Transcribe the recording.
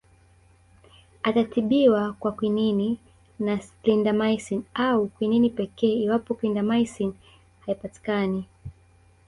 Atatibiwa kwa Kwinini na Clindamycin au Kwinini pekee iwapo Clindamycin haipatikani